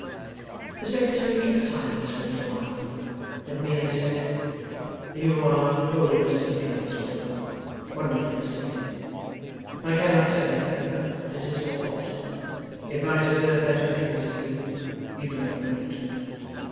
The Secretary kept silence for a little while; then merely said, 'You are wholly mistaken, Miss Wilfer; wonderfully mistaken. I cannot say, however, that it is your fault. If I deserve better things of you, you do not know it.